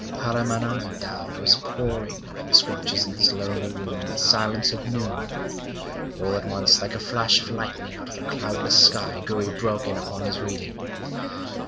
Paramananda was poring over the scriptures in his lonely room in the silence of noon. All at once, like a flash of lightning out of a cloudless sky, Gouri broke in upon his reading.